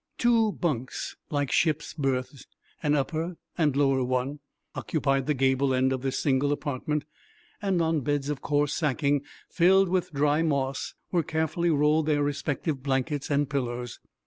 Two "bunks," like ships' berths, an upper and lower one, occupied the gable end of this single apartment, and on beds of coarse sacking, filled with dry moss, were carefully rolled their respective blankets and pillows.